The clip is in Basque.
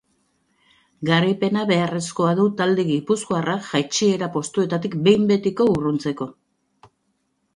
Garaipena beharrezkoa du talde gipuzkoarrak jaitsiera postuetatik behin betiko urruntzeko.